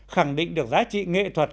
khẳng định được giá trị nghệ thuật